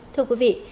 thưa quý vị